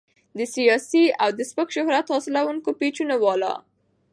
د سياسي او د سپک شهرت حاصلونکو پېجونو والا